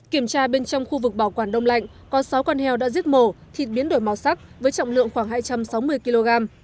kiểm tra bên trong khu vực bảo quản đông lạnh có sáu con heo đã giết mổ thịt biến đổi màu sắc với trọng lượng khoảng hai trăm sáu mươi kg